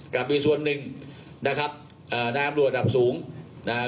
กลับไปส่วนหนึ่งนะครับเอ่อนายอำรวจดับสูงน่ะ